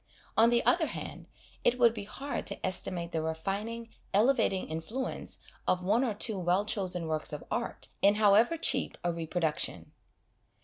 On the other hand, it would be hard to estimate the refining, elevating influence of one or two well chosen works of art, in however cheap a reproduction.